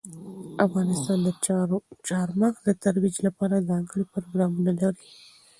افغانستان د چار مغز د ترویج لپاره ځانګړي پروګرامونه لري.